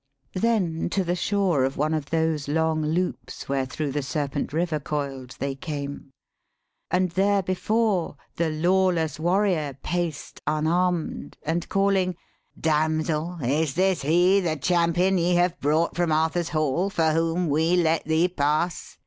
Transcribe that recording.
Then to the shore of one of those long loops Wherethro' the serpent river coil'd, they came. And therebefore the lawless warrior paced Unarm'd, and calling, 'Damsel, is this he, The champion ve have brought from Arthur's hall, For whom we let thee pass